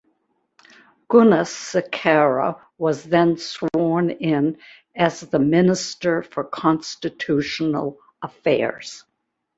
Gunasekara was then sworn in as the Minister for Constitutional Affairs.